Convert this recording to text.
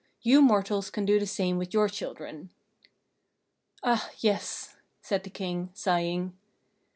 You mortals can do the same with your children." "Ah, yes!" said the King, sighing.